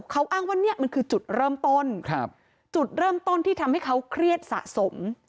เขาอ้างว่าเนี่ยมันคือจุดเริ่มต้นจุดเริ่มต้นที่ทำให้เขาเครียดสะสม